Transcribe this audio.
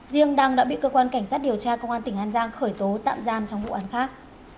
riêng đăng đã bị cơ quan cảnh sát điều tra công an tỉnh an giang khởi tố tạm giam trong vụ án khác